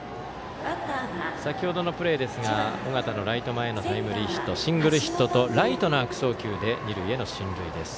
先ほどのプレーですが尾形のライト前へのタイムリーヒットはシングルヒットとライトの悪送球で二塁への進塁です。